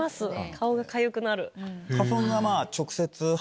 顔がかゆくなる。